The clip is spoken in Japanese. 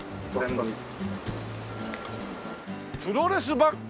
「プロレスバンク」